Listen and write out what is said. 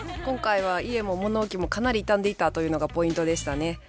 今回は家も物置もかなり傷んでいたというのがポイントでしたね。